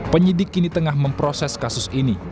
penyidik kini tengah memproses kasus ini